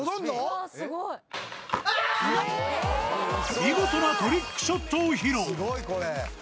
見事なトリックショットを披露